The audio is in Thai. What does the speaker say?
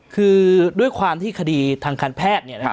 คือด้วยความที่คดีทางการแพทย์